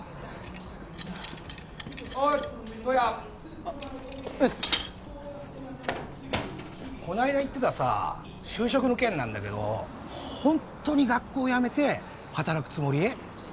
おい斗也あっうっすこの間言ってたさ就職の件なんだけどホントに学校やめて働くつもり？